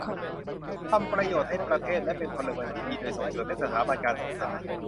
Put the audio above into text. ทำประโยชน์ให้ประเทศ และเป็นพลเมืองที่ดี โดยส่งเสริมให้สถาบันการศึกษา